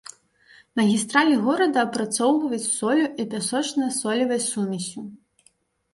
Магістралі горада апрацоўваюць соллю і пясочна-солевай сумессю.